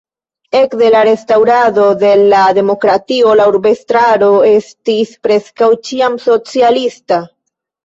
Ekde la restaŭrado de la demokratio la urbestraro estis preskaŭ ĉiam socialista.